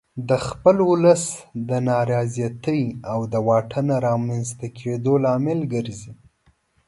د خپل ولس د نارضایتي او د واټن رامنځته کېدو لامل ګرځي.